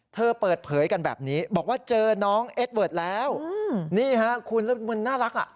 เธอเปิดเผยกันแบบนี้บอกว่าเจอน้องเอสเวิร์ดแล้วนี่ฮะคุณแล้วมันน่ารักอ่ะ